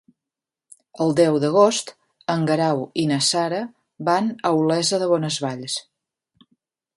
El deu d'agost en Guerau i na Sara van a Olesa de Bonesvalls.